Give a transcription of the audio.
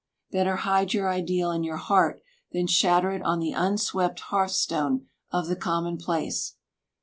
Better hide your ideal in your heart than shatter it on the unswept hearthstone of the commonplace.